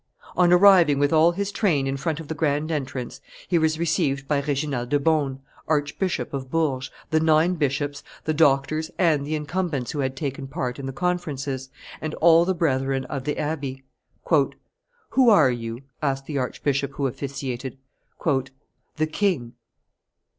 On arriving with all his train in front of the grand entrance, he was received by Reginald de Beaune, Archbishop of Bourges, the nine bishops, the doctors and the incumbents who had taken part in the conferences, and all the brethren of the abbey. "Who are you?" asked the archbishop who officiated. "The king."